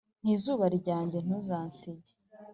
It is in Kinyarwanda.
Nti"zuba ryange ntuzansige"